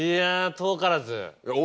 遠からず？